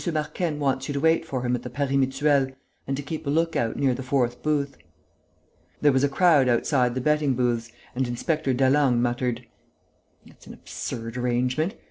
Marquenne wants you to wait for him at the pari mutuel and to keep a look out near the fourth booth." There was a crowd outside the betting booths and Inspector Delangle muttered: "It's an absurd arrangement....